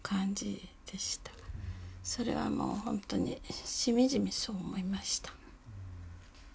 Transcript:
それはもう本当にしみじみそう思いました。